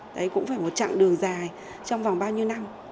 đấy cũng phải một chặng đường dài trong vòng bao nhiêu năm